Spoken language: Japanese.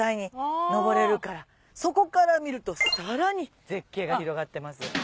そこから見るとさらに絶景が広がってます。